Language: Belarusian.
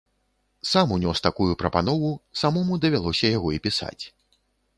Сам унёс такую прапанову, самому давялося яго і пісаць.